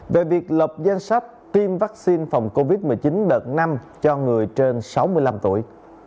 về việc lập danh sách tiêm vaccine phòng covid một mươi chín đợt năm cho người trên sáu mươi năm tuổi